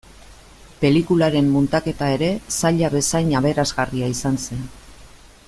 Pelikularen muntaketa ere zaila bezain aberasgarria izan zen.